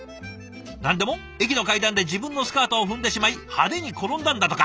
何でも駅の階段で自分のスカートを踏んでしまい派手に転んだんだとか。